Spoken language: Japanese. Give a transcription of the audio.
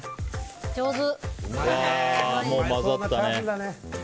上手！